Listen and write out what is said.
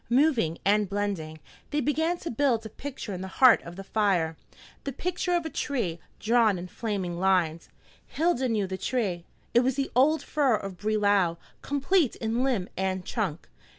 Moving and blending, they began to build a picture in the heart of the fire, the picture of a tree, drawn in flaming lines. Hilda knew the tree. It was the old fir of Brelau, complete in limb and trunk.